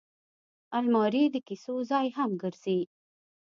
الماري د کیسو ځای هم ګرځي